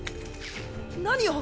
何を。